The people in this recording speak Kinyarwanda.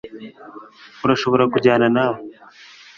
urashobora kujyana nawe